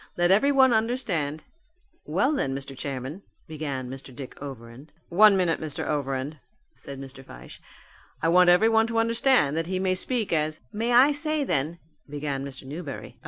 Let everyone understand " "Well then, Mr. Chairman," began Mr. Dick Overend. "One minute, Mr. Overend," said Mr. Fyshe. "I want everyone to understand that he may speak as " "May I say then " began Mr. Newberry.